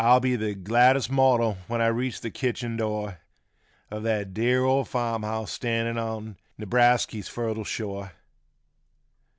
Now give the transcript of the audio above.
Oh, I'll be the gladdest mortal when I reach th' kitchen door Of that dear old farmhouse standin' on New brasky's fertile shore